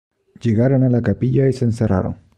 Llegaron a la capilla y se encerraron.